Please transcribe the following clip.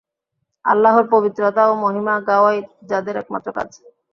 আল্লাহর পবিত্রতা ও মহিমা গাওয়াই যাদের একমাত্র কাজ।